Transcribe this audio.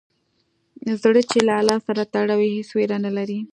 زړه چې له الله سره تړلی وي، هېڅ ویره نه لري.